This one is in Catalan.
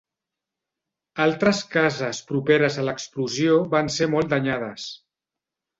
Altres cases properes a l'explosió van ser molt danyades.